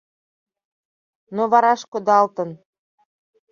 Но вараш кодалтын.